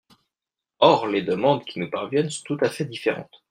Or les demandes qui nous parviennent sont tout à fait différentes.